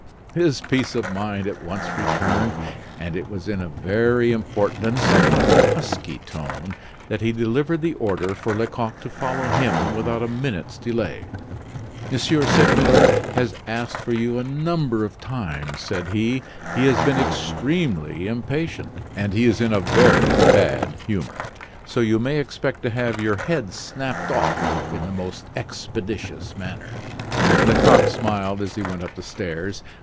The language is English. His peace of mind at once returned; and it was in a very important and somewhat husky tone that he delivered the order for Lecoq to follow him without a minute's delay. "M. Segmuller has asked for you a number of times," said he, "He has been extremely impatient, and he is in a very bad humor, so you may expect to have your head snapped off in the most expeditious manner." Lecoq smiled as he went up the stairs.